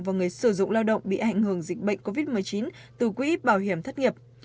và người sử dụng lao động bị ảnh hưởng dịch bệnh covid một mươi chín từ quỹ bảo hiểm thất nghiệp